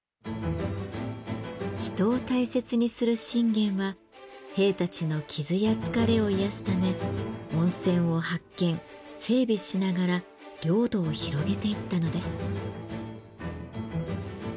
人を大切にする信玄は兵たちの傷や疲れを癒やすため温泉を発見整備しながら領土を広げていったのです。